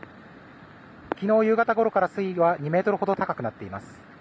昨日夕方ごろから、水位は２ｍほど高くなっています。